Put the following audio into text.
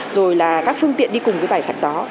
rồi là các phương tiện đi cùng với bài sách đó